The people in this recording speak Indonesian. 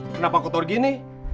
kenapa kotor gini